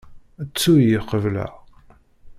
Ttu-yi qebleɣ.